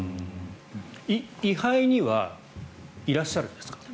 位牌にはいらっしゃるんですか？